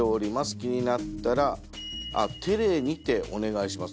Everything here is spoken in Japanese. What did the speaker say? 気になったらテレにてお願いします